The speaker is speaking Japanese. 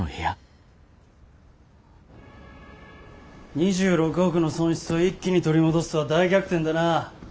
２６億の損失を一気に取り戻すとは大逆転だな岩倉。